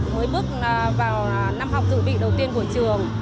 mới bước vào năm học dự bị đầu tiên của trường